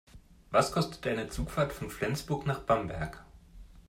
Was kostet eine Zugfahrt von Flensburg nach Bamberg?